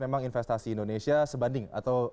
memang investasi indonesia sebanding